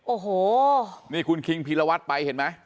โอ้โหนี่คุณคิงพีรวัตรไปเห็นไหม